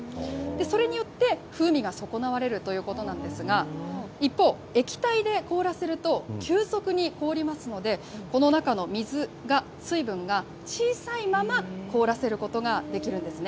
それによって、風味が損なわれるということなんですが、一方、液体で凍らせると、急速に凍りますので、この中の水が、水分が小さいまま凍らせることができるんですね。